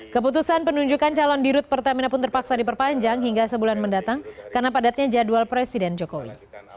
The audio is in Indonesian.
keputusan penunjukan calon di rut pertamina pun terpaksa diperpanjang hingga sebulan mendatang karena padatnya jadwal presiden jokowi